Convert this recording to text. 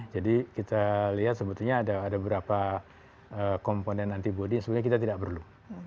jadi kita lihat sebetulnya ada berapa komponen antibody yang sebenarnya kita tidak perlu